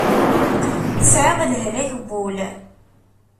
Tesɛiḍ lehlak n wul.